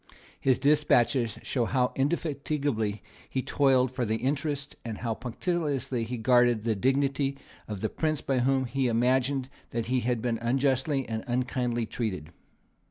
His despatches show how indefatigably he toiled for the interests, and how punctiliously he guarded the dignity, of the prince by whom he imagined that he had been unjustly and unkindly treated.